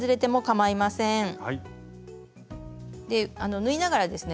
縫いながらですね